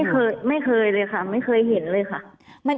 ไม่เคยไม่เคยเลยค่ะไม่เคยเห็นเลยค่ะ